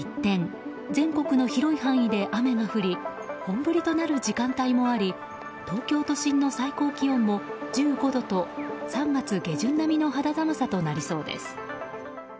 明日は一転全国の広い範囲で雨が降り本降りとなる時間帯もあり東京都心の最高気温も１５度と３月下旬並みの肌寒さとなりそうです。